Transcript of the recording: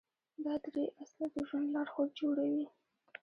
دا درې اصله د ژوند لارښود جوړوي.